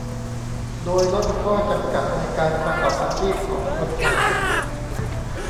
โดยลดข้อจำกัดในการประกอบอาชีพของคนไทย